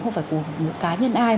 không phải của một cá nhân ai